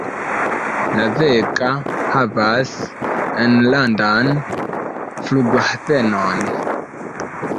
La Vega havas enlandan flughavenon.